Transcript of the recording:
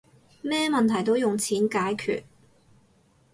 咩問題都用錢解決